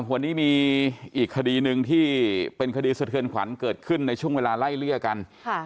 วันนี้มีอีกคดีหนึ่งที่เป็นคดีสะเทือนขวัญเกิดขึ้นในช่วงเวลาไล่เลี่ยกัน